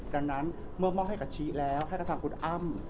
ดังนั้นเมื่อมอบให้กับชี้แล้วให้กับทางคุณอ้ำ